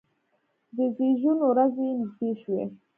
د زیږون ورځې یې نږدې شوې.